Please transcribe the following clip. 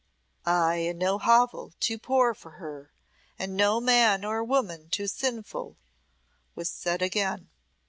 "Ay, and no hovel too poor for her, and no man or woman too sinful," was said again.